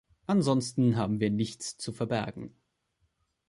Ansonsten haben wir nichts zu verbergen.